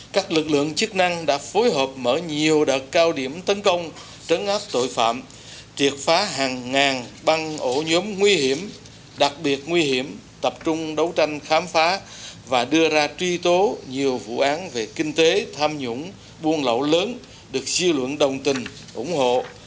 các lực lượng chức năng đã phối hợp mở nhiều đợt cao điểm tấn công trấn áp tội phạm triệt phá hàng ngàn băng ổ nhóm nguy hiểm đặc biệt nguy hiểm tập trung đấu tranh khám phá và đưa ra truy tố nhiều vụ án về kinh tế tham nhũng buôn lậu lớn được siêu luận đồng tình ủng hộ